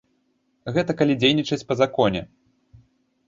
Гэта калі дзейнічаць па законе.